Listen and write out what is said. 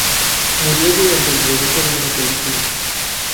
Murió durante el rodaje de una película.